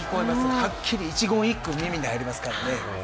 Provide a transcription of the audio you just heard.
はっきり一言一句耳に入ります。